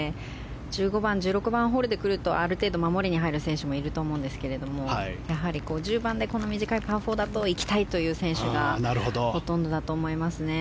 １５番、１６番ホールでくるとある程度守りに入る選手もいると思うんですけどやはり１０番でこの短いパー４だと行きたいという選手がほとんどだと思いますね。